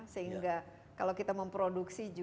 sehingga kalau kita memproduksi